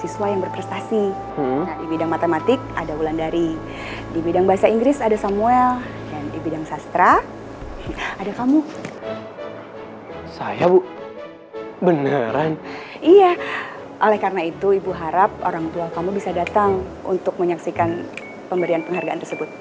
iya oleh karena itu ibu harap orang tua kamu bisa datang untuk menyaksikan pemberian penghargaan tersebut